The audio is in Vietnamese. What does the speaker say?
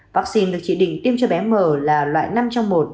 vaccine được chỉ định tiêm cho bé mở là loại năm trong một